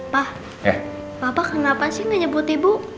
pak papa kenapa sih gak nyemput ibu